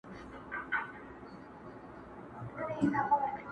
هغه لږ خبري کوي تل